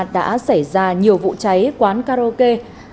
đã xảy ra nhiều vụ cháy quán karaoke